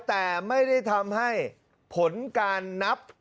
แต่ไม่ได้ทำให้ผลการนับ